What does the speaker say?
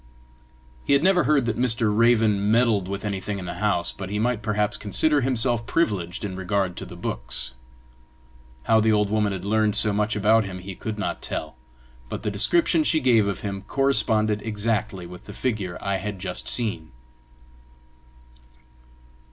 He had never heard that Mr. Raven meddled with anything in the house, but he might perhaps consider himself privileged in regard to the books. How the old woman had learned so much about him he could not tell; but the description she gave of him corresponded exactly with the figure I had just seen.